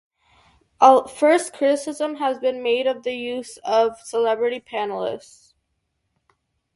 First, criticism has been made of the use of "celebrity" panelists.